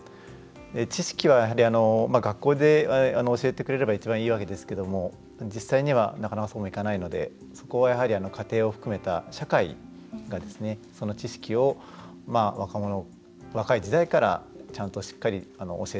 知識は、やはり学校で教えてくれれば一番いいわけですけども実際には、なかなかそうもいかないのでそこは家庭を含めた社会がその知識を若い時代からちゃんと、しっかり教えてあげられる。